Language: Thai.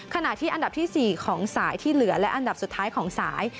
ขณะที่อันดับที่๔ของสายที่เหลือและอันดับสุดท้ายของสาย